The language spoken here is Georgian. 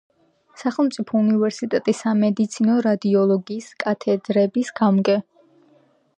სახელმწიფო უნივერსიტეტის სამედიცინო რადიოლოგიის კათედრების გამგე.